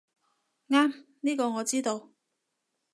啱，呢個我知道